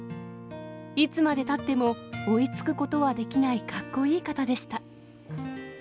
いつまでたっても追いつくことはできないかっこいい方でした。